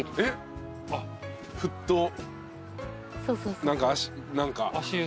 えっフット何か。